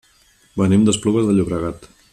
Venim d'Esplugues de Llobregat.